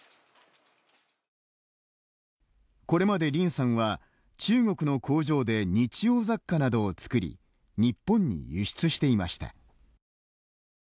これまで林さんは中国の工場で日用雑貨などを作り日本に輸出していました。